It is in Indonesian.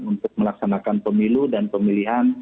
untuk melaksanakan pemilu dan pemilihan